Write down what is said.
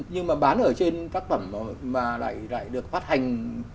nhưng mà bán ở trên tác phẩm mà lại được phát hành